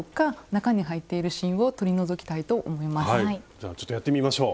じゃあちょっとやってみましょう。